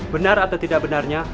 benar atau tidak benarnya